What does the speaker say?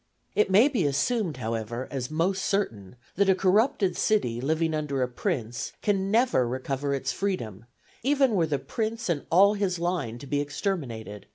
It may be assumed, however, as most certain, that a corrupted city living under a prince can never recover its freedom, even were the prince and all his line to be exterminated.